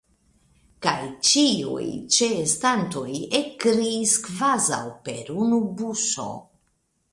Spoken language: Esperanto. Kaj ĉiuj ĉeestantoj ekkriis kvazaŭ per unu buŝo.